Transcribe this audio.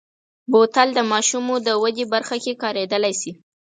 بوتل د ماشومو د ودې برخه کې کارېدلی شي.